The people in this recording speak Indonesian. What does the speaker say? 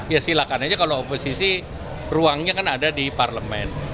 ya silakan aja kalau oposisi ruangnya kan ada di parlemen